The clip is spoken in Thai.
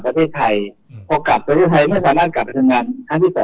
ก็เดิมหลักการเดิมของอิสรัยเอลคือเมื่อทำงานครบ